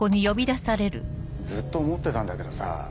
ずっと思ってたんだけどさぁ。